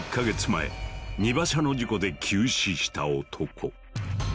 前荷馬車の事故で急死した男。